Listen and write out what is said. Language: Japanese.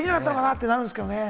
ってなるんですけれどもね。